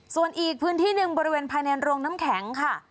ส่วนอีกพื้นที่หนึ่งบริเวณภายในโรงน้ำแข็งค่ะ